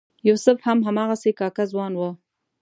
یوسف هم هماغسې کاکه ځوان و.